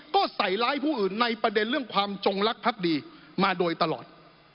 ก็ใส่ร้ายผู้อื่นในประเด็นเรื่องความจงลักษ์ดีมาโดยตลอด